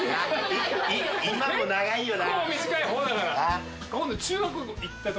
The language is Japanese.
今も長いよな。